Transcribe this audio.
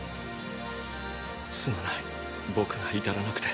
すまない僕が至らなくて。